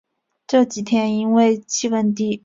这几天因为气温低